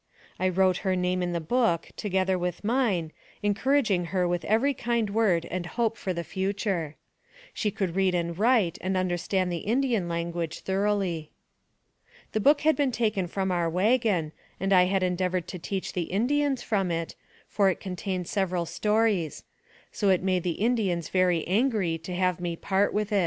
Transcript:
I wrote her name in the book, together with mine, encouraging her with every kind word and hope of the future. She could read and write, and understood the Indian language thoroughly. The book had been taken from our wagon, and I had endeavored to teach the Indians from it, for it contained several stories; so it made the Indians very angry to have me part with it.